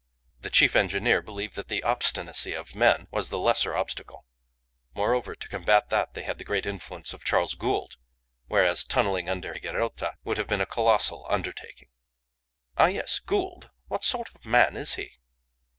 The chief engineer believed that the obstinacy of men was the lesser obstacle. Moreover, to combat that they had the great influence of Charles Gould, whereas tunnelling under Higuerota would have been a colossal undertaking. "Ah, yes! Gould. What sort of a man is he?"